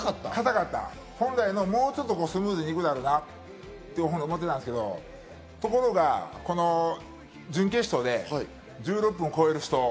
本来もうちょっとスムーズにいくだろうなっと思ってたんですけど、ところが、準決勝で１６分を超える死闘。